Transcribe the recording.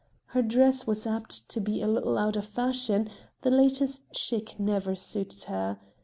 Her dress was apt to be a little out of fashion, the latest chic never suited her.